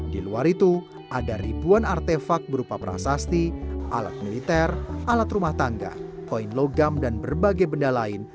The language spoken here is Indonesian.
di luar itu ada ribuan artefak berupa prasasti alat militer alat rumah tangga koin logam dan berbagai benda lain